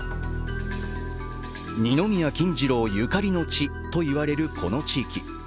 二宮金次郎ゆかりの地と言われる、この地域。